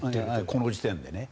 この時点で。